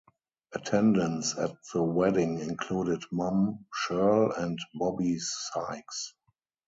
Attendants at the wedding included Mum Shirl and Bobbi Sykes.